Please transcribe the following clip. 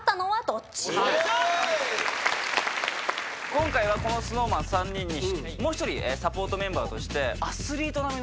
今回はこのＳｎｏｗＭａｎ３人にもう１人サポートメンバーとして。